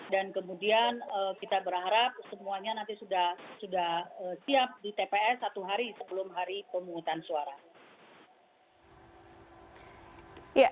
dan kemudian kita berharap semuanya nanti sudah siap di tps satu hari sebelum hari pemungutan suara